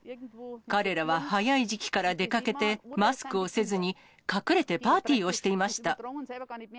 彼らは早い時期から出かけて、マスクをせずに、隠れてパーティーをしていました。